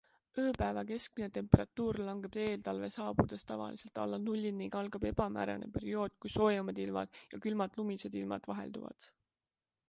Ööpäeva keskmine temperatuur langeb eeltalve saabudes tavaliselt alla nulli ning algab ebamäärane periood, kui soojemad ilmad ja külmad lumised ilmad vahelduvad.